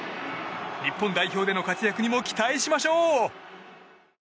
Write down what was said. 日本代表での活躍にも期待しましょう。